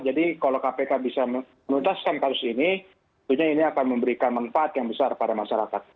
jadi kalau kpk bisa menuntaskan kasus ini itu akan memberikan manfaat yang besar pada masyarakat